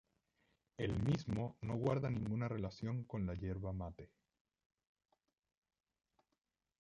El mismo no guarda ninguna relación con la yerba mate.